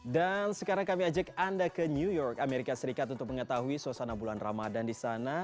dan sekarang kami ajak anda ke new york amerika serikat untuk mengetahui suasana bulan ramadan di sana